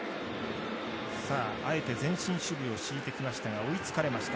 あえて、前進守備を敷いてきましたが追いつかれました。